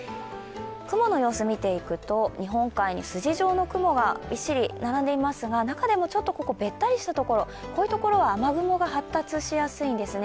雲の様子を見ていくと日本海に筋状の雲がびっしり並んでいますが中でもちょっとべったりしたところは雨雲が発達しやすいんですね。